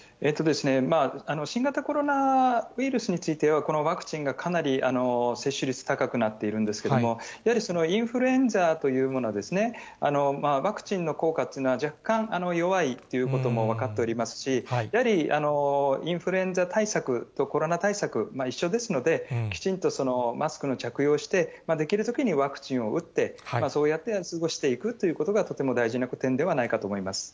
新型コロナウイルスについては、このワクチンがかなり接種率高くなっているんですけれども、やはりインフルエンザというものは、ワクチンの効果というのは、若干、弱いということも分かっておりますし、やはりインフルエンザ対策とコロナ対策、一緒ですので、きちんとマスクを着用して、できるときにワクチンを打って、そうやって過ごしていくということが、とても大事な点ではないかと思います。